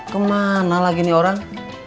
kemana lagi nih orang